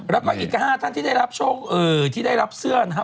แล้วก็อีก๕ท่านที่ได้รับโชคที่ได้รับเสื้อนะฮะ